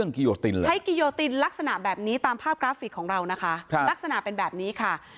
กิโยตินเลยใช้กิโยตินลักษณะแบบนี้ตามภาพกราฟิกของเรานะคะลักษณะเป็นแบบนี้ค่ะ